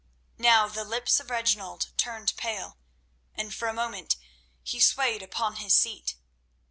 Now the lips of Reginald turned pale, and for a moment he swayed upon his seat.